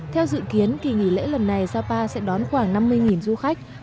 theo dự kiến kỳ nghỉ lễ lần này sapa sẽ đón khoảng năm mươi du khách